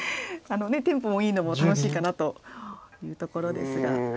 テンポもいいのも楽しいかなというところですが。